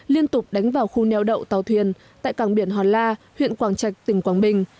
liên tục đánh vào khu neo đậu tàu thuyền tại cảng biển hòn la huyện quảng trạch tỉnh quảng bình